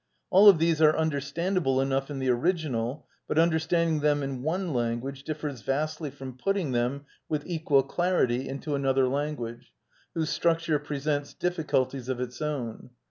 All of these are understand able enough in the original, but understanding them in one language differs vastly from putting them, with equal clarity, into another language, whose structure presents difficulties of its own.